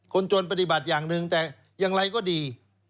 คนจนปฏิบัติอย่างหนึ่งแต่อย่างไรก็ดี